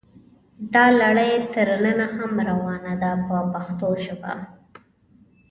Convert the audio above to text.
دا لړۍ تر ننه هم روانه ده په پښتو ژبه.